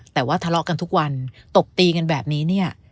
แต่ว่าทะเลาะกันทุกวันตบตีกันแบบนี้เนี่ย